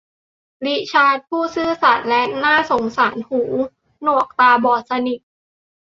ริชาร์ดผู้ซื่อสัตย์และน่าสงสารหูหนวกและตาบอดสนิท